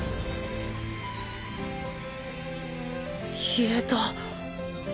消えた。